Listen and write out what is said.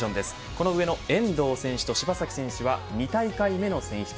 この上の遠藤選手と柴崎選手は２大会目の選出。